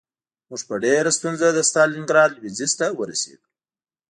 موږ په ډېره ستونزه د ستالینګراډ لویدیځ ته ورسېدو